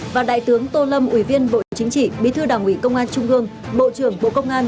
và đại tướng tô lâm ủy viên bộ chính trị bí thư đảng ủy công an trung gương bộ trưởng bộ công an